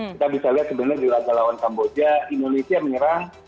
kita bisa lihat sebenarnya di laga lawan kamboja indonesia menyerang